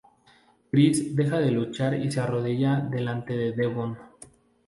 Chris deja de luchar y se arrodilla delante de Devon.